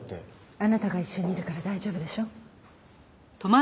あなたが一緒にいるから大丈夫でしょ？